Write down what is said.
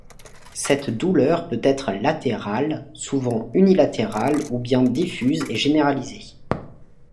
Cette douleur peut être latérale, souvent unilatérale, ou bien diffuse et généralisée.